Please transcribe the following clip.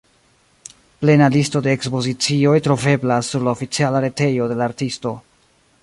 Plena listo de ekspozicioj troveblas sur la oficiala retejo de la artisto.